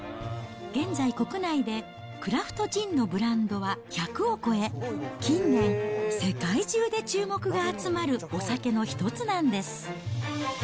現在、国内でクラフトジンのブランドは１００を超え、近年、世界中で注目が集まるお酒の一つなんです。